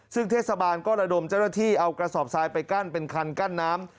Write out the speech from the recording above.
ซึ่งเทศบาลก็ระดมเจ้าหน้าที่เอากระสอบทรายไปกั้นเป็นคันกั้นน้ำ